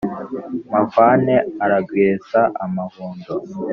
mahwane aragesa amahundo